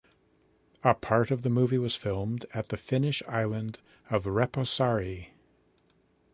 A part of the movie was filmed at the Finnish island of Reposaari.